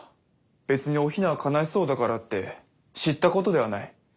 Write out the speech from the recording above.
別にお雛が悲しそうだからって知ったことではない。